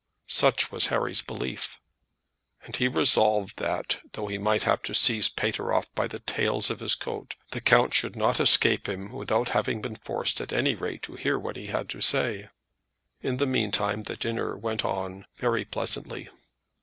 Such was Harry's belief, and he resolved that, though he might have to seize Pateroff by the tails of his coat, the count should not escape him without having been forced at any rate to hear what he had to say. In the meantime the dinner went on very pleasantly.